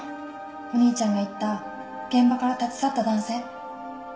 お兄ちゃんが言った現場から立ち去った男性